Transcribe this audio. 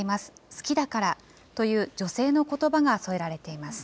好きだからという女性のことばが添えられています。